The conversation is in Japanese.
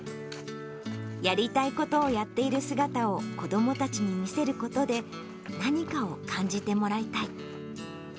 やりたいことをやっている姿を子どもたちに見せることで、何かを感じてもらいたい。